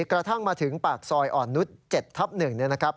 กระทั่งมาถึงปากซอยอ่อนนุช๗ทับ๑